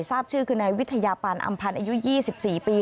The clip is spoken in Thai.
ทราบชื่อคือนายวิทยาปานอำพันธ์อายุ๒๔ปี